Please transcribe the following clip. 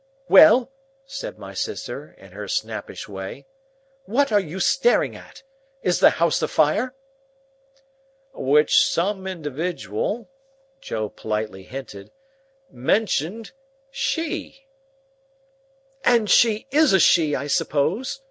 "Well?" said my sister, in her snappish way. "What are you staring at? Is the house afire?" "—Which some individual," Joe politely hinted, "mentioned—she." "And she is a she, I suppose?"